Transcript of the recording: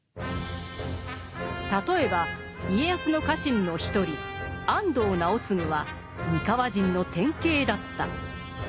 例えば家康の家臣の一人安藤直次は三河人の典型だった。